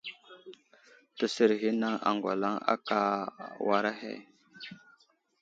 Təsər ghinaŋ aŋgwalaŋ aka war ahe.